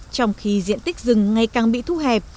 trong khi diện tích rừng ngày càng bị thu hẹp